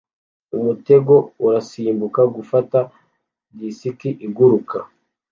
Umutego urasimbuka gufata disiki iguruka